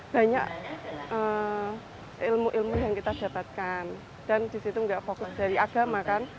banyak ilmu ilmu yang kita dapatkan dan di situ tidak fokus dari agama kan